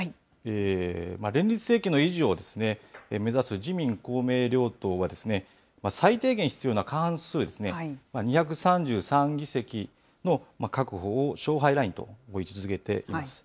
連立政権の維持を目指す自民、公明両党は、最低限必要な過半数ですね、２３３議席の確保を勝敗ラインと位置づけています。